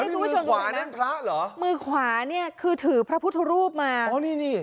คุณผู้ชมขวานั่นพระเหรอมือขวาเนี่ยคือถือพระพุทธรูปมาอ๋อนี่นี่